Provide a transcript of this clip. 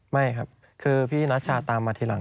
ไม่ครับคือพี่นัชชาตามมาทีหลัง